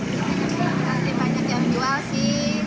nama ibu banyak yang dijual sih